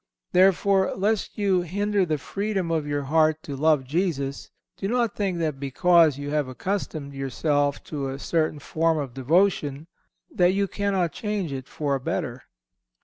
Therefore, lest you hinder the freedom of your heart to love Jesus, do not think that because you have accustomed yourself to a certain form of devotion, that you cannot change it for a better.